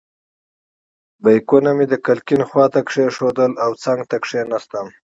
بیکونه مې د کړکۍ خواته کېښودل او څنګ ته کېناستم.